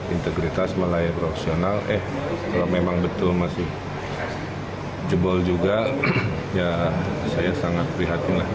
integritas melayar profesional eh kalau memang betul masih jebol juga ya saya sangat prihatin lah